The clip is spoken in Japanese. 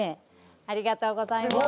ありがとうございます。